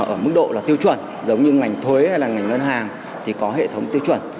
ở mức độ là tiêu chuẩn giống như ngành thuế hay là ngành ngân hàng thì có hệ thống tiêu chuẩn